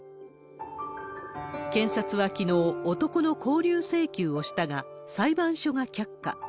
検察はきのう、男の勾留請求をしたが、裁判所が却下。